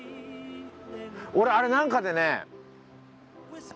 俺あれなんかでね。